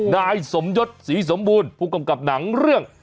นายสมยศศรีสมบูรณ์ผู้กำกับหนังเรื่อง